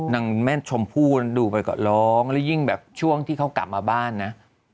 แม่ชมพู่ดูไปก็ร้องแล้วยิ่งแบบช่วงที่เขากลับมาบ้านนะ